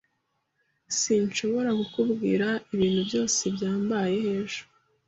Sinshobora kukubwira ibintu byose byambayeho ejo.